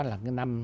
là cái năm